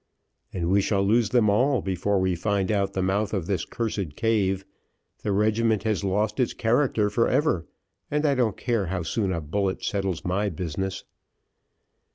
"And shall lose them all before we find out the mouth of this cursed cave. The regiment has lost its character for ever, and I don't care how soon a bullet settles my business."